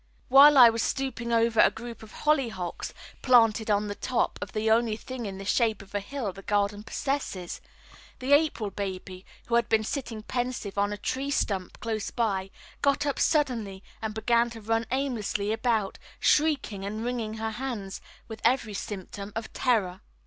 While I was stooping over a group of hollyhocks planted on the top of the only thing in the shape of a hill the garden possesses, the April baby, who had been sitting pensive on a tree stump close by, got up suddenly and began to run aimlessly about, shrieking and wringing her hands with every symptom of terror.